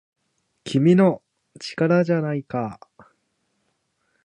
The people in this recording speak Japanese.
「君の！力じゃないか!!」